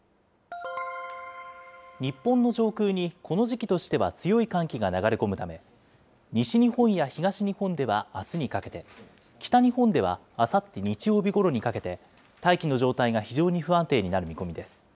日本の上空にこの時期としては強い寒気が流れ込むため、西日本や東日本ではあすにかけて、北日本ではあさって日曜日ごろにかけて、大気の状態が非常に不安定になる見込みです。